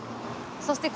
そして。